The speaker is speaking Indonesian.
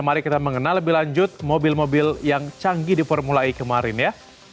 mari kita mengenal lebih lanjut mobil mobil yang canggih di formula e kemarin ya